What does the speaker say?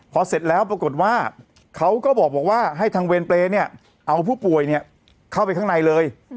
พอเสร็จแล้วปรากฏว่าเขาก็บอกว่าให้ทางเวรเปรย์เนี่ยเอาผู้ป่วยเข้าไปข้างในเลย